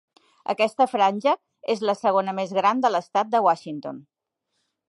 Aquesta franja és la segona més gran de l'estat de Washington.